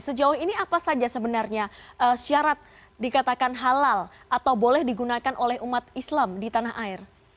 sejauh ini apa saja sebenarnya syarat dikatakan halal atau boleh digunakan oleh umat islam di tanah air